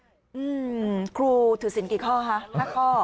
อืมครูถือสินกี่ข้อฮะ๕ข้อ